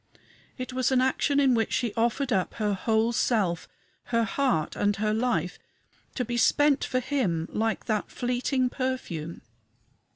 It was an action in which she offered up her whole self her heart and her life to be spent for him, like that fleeting perfume.